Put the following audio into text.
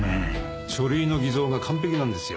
書類の偽造が完璧なんですよ。